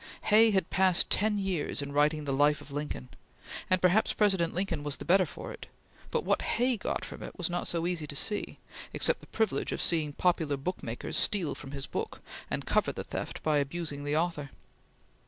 Hay had passed ten years in writing the "Life" of Lincoln, and perhaps President Lincoln was the better for it, but what Hay got from it was not so easy to see, except the privilege of seeing popular book makers steal from his book and cover the theft by abusing the author.